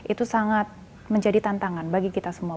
itu sangat menjadi tantangan bagi kita semua